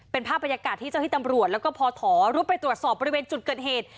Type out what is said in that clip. เป็นภาพบรรยากาศที่เจ้าที่ตำรวจแล้วก็พอถอรุดไปตรวจสอบบริเวณจุดเกิดเหตุ